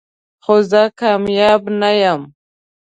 خو زه کامیاب نه یم .